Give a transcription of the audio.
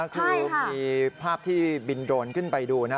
คือมีภาพที่บินโดรนขึ้นไปดูนะ